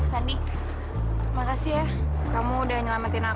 padahal ibu mau gearboxin long tutorial